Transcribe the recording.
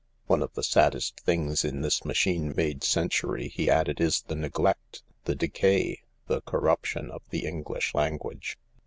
One of the saddest things in this machine made century," he added, "is the neglect, the decay, the corruption, of the English language."